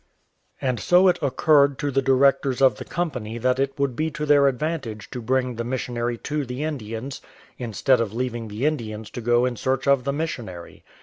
'' And so it occurred to the directors of the Company that it would be to their advantage to bring the missionary to the Indians, instead of leaving the Indians to go in search of the missionary.